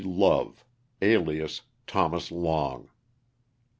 LOVE, alias THOMAS LONG.